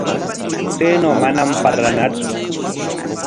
Chaynaw manam parlanatsu.